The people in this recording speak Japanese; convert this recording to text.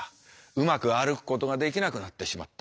うまく歩くことができなくなってしまった。